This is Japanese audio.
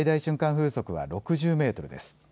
風速は６０メートルです。